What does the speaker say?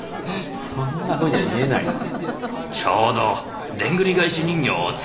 そんなふうには見えないです。